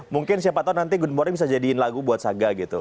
mungkin siapa tahu nanti good morning bisa jadiin lagu buat saga gitu